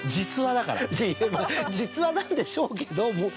実話なんでしょうけど。